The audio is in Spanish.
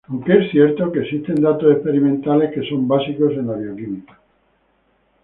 Aunque es cierto que existen datos experimentales que son básicos en la bioquímica.